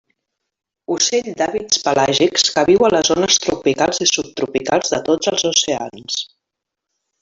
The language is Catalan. Ocell d'hàbits pelàgics, que viu a les zones tropicals i subtropicals de tots els oceans.